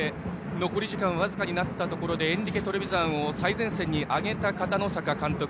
残り時間僅かになったところでエンリケ・トレヴィザンを最前線に上げた片野坂監督。